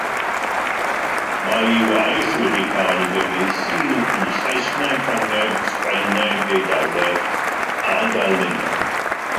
Mae ei waith wedi cael ei gyfieithu i Saesneg, Ffrangeg, Sbaeneg, Eidaleg ac Almaeneg.